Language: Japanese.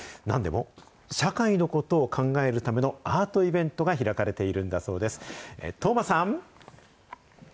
なんでも社会のことを考えるためのアートイベントが開かれているんだそうです。